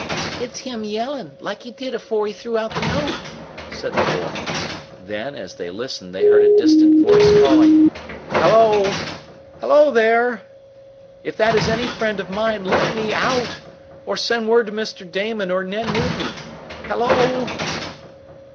"It's him yellin' like he did afore he threw out the note," said the boy. Then, as they listened, they heard a distant voice calling: "Hello! Hello, there! If that is any friend of mine, let me out, or send word to Mr. Damon or Ned Newton! Hello!"